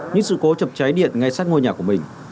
những sự cố chập cháy điện ngay sát ngôi nhà của mình